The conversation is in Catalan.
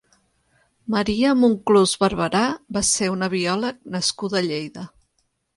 María Monclús Barberá va ser una biòleg nascuda a Lleida.